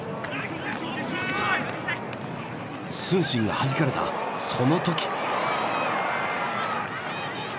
承信がはじかれたその時！